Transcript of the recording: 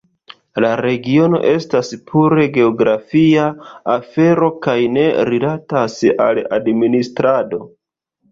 La regiono estas pure geografia afero kaj ne rilatas al administrado.